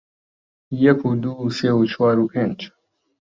یەک و دوو و سێ و چوار و پێنج